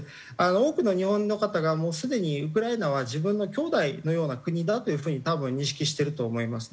多くの日本の方がもうすでにウクライナは自分の兄弟のような国だという風に多分認識してると思います。